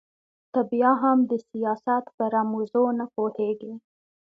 ته بيا هم د سياست په رموزو نه پوهېږې.